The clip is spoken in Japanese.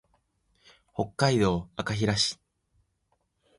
北海道赤平市